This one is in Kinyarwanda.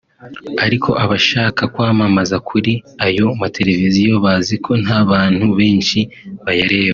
Ariko abashaka kwamamaza kuri ayo mateleviziyo bazi ko nta bantu benshi bayareba